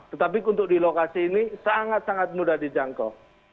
tetapi untuk di lokasi ini sangat sangat mudah dijangkau